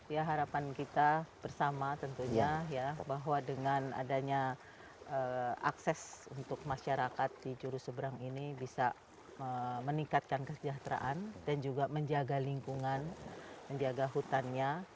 ya harapan kita bersama tentunya ya bahwa dengan adanya akses untuk masyarakat di juru seberang ini bisa meningkatkan kesejahteraan dan juga menjaga lingkungan menjaga hutannya